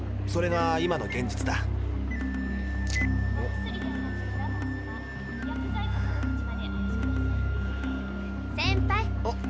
それが今の現実だお？